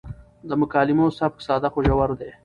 د مکالمو سبک ساده خو ژور دی.